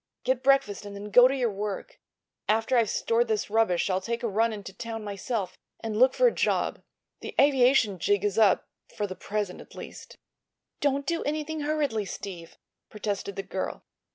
Get breakfast and then go to your work. After I've stored this rubbish I'll take a run into town myself, and look for a job. The aviation jig is up—for the present, at least." "Don't do anything hurriedly, Steve," protested the girl.